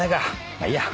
まあいいや。